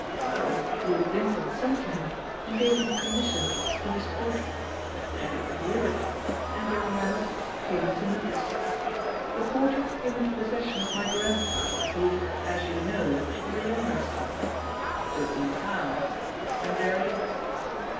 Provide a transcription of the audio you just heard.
Well, Lord Linton sent for him, and gave him a commission to do his portrait, had it exhibited, and young Reynolds came into notice. The portrait came into possession of my grandfather, who, as you know, was a younger son; don't know how, and there it is."